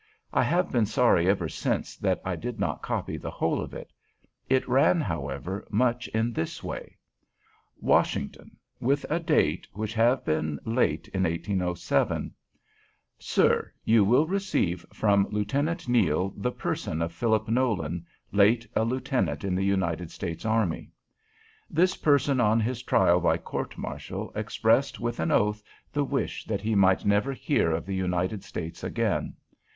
I have been sorry ever since that I did not copy the whole of it. It ran, however, much in this way: "WASHINGTON (with a date, which must have been late in 1807). "Sir, You will receive from Lieutenant Neale the person of Philip Nolan, late a lieutenant in the United States army. "This person on his trial by court martial expressed, with an oath, the wish that he might 'never hear of the United States again.'